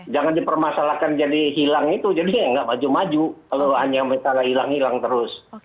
jangan dipermasalahkan jadi hilang itu jadinya nggak maju maju kalau hanya hilang hilang terus